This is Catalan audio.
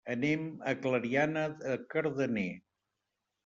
Anem a Clariana de Cardener.